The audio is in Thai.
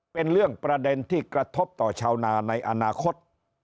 เป็นเรื่องประเด็นที่กระทบต่อชาวนาในอนาคต